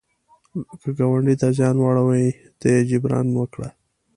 که ګاونډي ته زیان واړوي، ته یې جبران وکړه